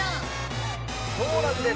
そうなんです。